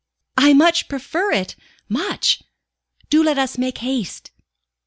"I much prefer it much. Do let us make haste!"